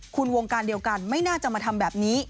คุณวงการเดียวกันไม่น่าจะมาทำแบบนี้